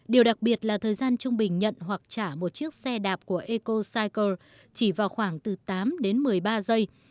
điều đặc biệt là thời gian trung bình nhận hoặc trả một chiếc xe đạp của ecocycle chỉ vào khoảng từ tám đến một mươi ba giây